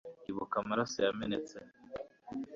ibuka amaraso yamenetse